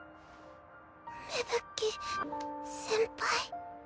芽吹先輩。